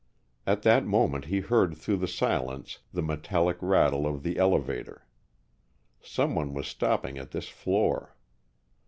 At that moment he heard through the silence the metallic rattle of the elevator. Someone was stopping at this floor.